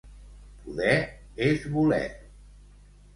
Poder és voler.